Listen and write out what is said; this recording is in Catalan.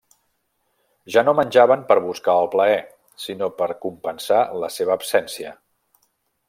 Ja no menjaven per buscar el plaer, sinó per compensar la seva absència.